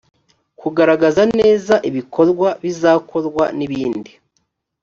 kugaragaza neza ibikorwa bizakorwa n’ibindi